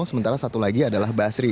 sementara satu lagi adalah basri